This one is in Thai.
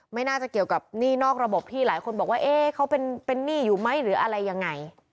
ไม่น่าจะเกี่ยวกับหนี้นอกระบบที่หลายคนบอกว่าเอ๊ะเขาเป็นหนี้อยู่ไหมหรืออะไรยังไง